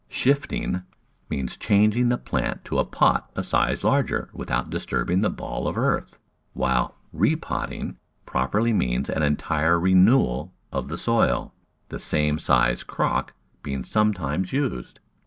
"Shifting" means changing the plant to a pot a size larger without disturbing the ball of earth, while "repotting" properly means an entire renewal of the soil, the same sized crock being sometimes used.